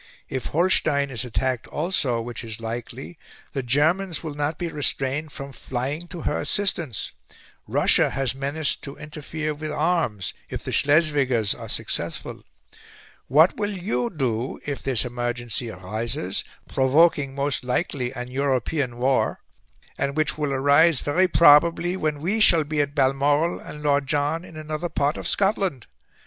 If Holstein is attacked also, which is likely, the Germans will not be restrained from flying to her assistance; Russia has menaced to interfere with arms, if the Schleswigers are successful. What will you do, if this emergency arises (provoking most likely an European war), and which will arise very probably when we shall be at Balmoral and Lord John in another part of Scotland?